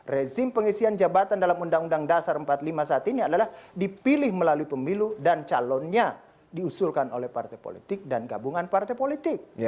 rezim pengisian jabatan dalam undang undang dasar empat puluh lima saat ini adalah dipilih melalui pemilu dan calonnya diusulkan oleh partai politik dan gabungan partai politik